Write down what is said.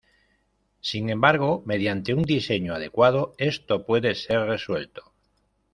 Sin embargo, mediante un diseño adecuado, esto puede ser resuelto.